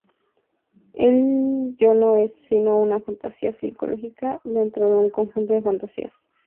El yo no es sino una fantasía psicológica dentro de un conjunto de fantasías.